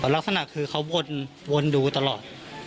ลักษณะคือเขาวนดูตลอด